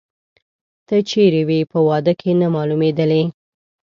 ته چیري وې، په واده کې نه مالومېدلې؟